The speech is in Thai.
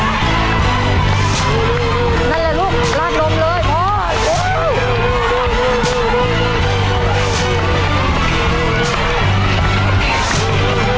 นั่นแหละลูกลาดลมเลยพอเร็ว